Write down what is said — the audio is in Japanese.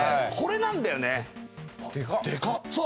これなんだよねでかっ！